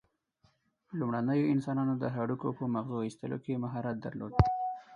لومړنیو انسانانو د هډوکو په مغزو ایستلو کې مهارت درلود.